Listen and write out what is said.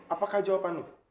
apakah jawaban lo